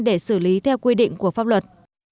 để xử lý theo quy định của pháp luật